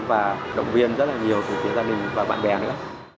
và động viên rất là nhiều của gia đình và bạn bè nữa